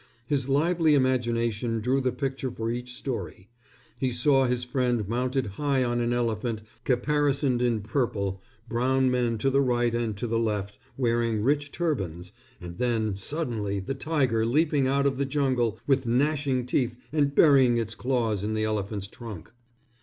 His lively imagination drew the picture for each story. He saw his friend mounted high on an elephant caparisoned in purple, brown men to the right and to the left wearing rich turbans, and then suddenly the tiger leaping out of the jungle with gnashing teeth and burying its claws in the elephant's trunk.